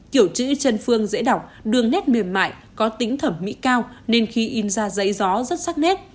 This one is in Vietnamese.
kiểu chữ chân phương dễ đọc đường nét mềm mại có tính thẩm mỹ cao nên khi in ra giấy gió rất sắc nét